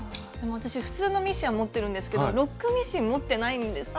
私普通のミシンは持ってるんですけどロックミシン持ってないんですよね。